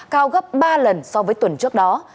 cao gấp ba lần so với tuần trước đó